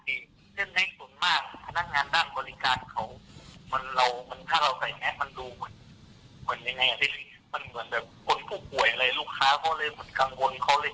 เขาเลยไม่มีใครใส่เลยแต่โทษนั่นก็อ่าเหมือนปกติทั่วไปนี่ของพรรพครับพี่